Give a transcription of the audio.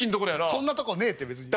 そんなとこねえって別に。